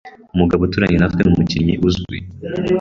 Umugabo uturanye natwe ni umukinnyi uzwi.